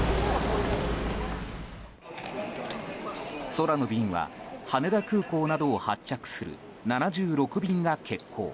空の便は羽田空港などを発着する７６便が欠航。